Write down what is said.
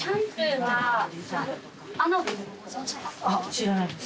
知らないです。